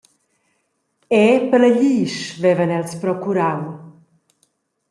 Era per glisch vevan els procurau.